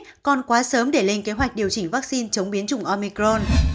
bệnh con quá sớm để lên kế hoạch điều chỉnh vaccine chống biến chủng omicron